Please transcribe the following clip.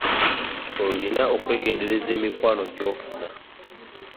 Olina okwegendereza emikwano gy'ofuna.